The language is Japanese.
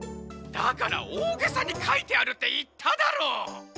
だからおおげさにかいてあるっていっただろう！